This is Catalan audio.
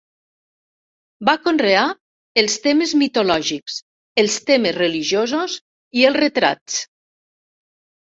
Va conrear els temes mitològics, els temes religiosos i els retrats.